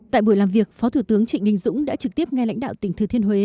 tại buổi làm việc phó thủ tướng trịnh đình dũng đã trực tiếp nghe lãnh đạo tỉnh thừa thiên huế